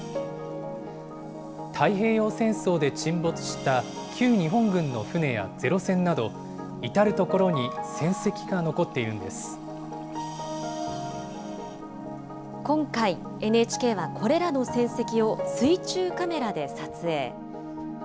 太平洋戦争で沈没した旧日本軍の船やゼロ戦など、今回、ＮＨＫはこれらの戦跡を水中カメラで撮影。